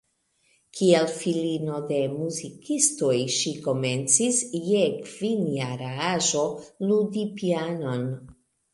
Kiel filino de muzikistoj ŝi komencis, je kvinjara aĝo, ludi pianon.